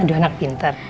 aduh anak pinter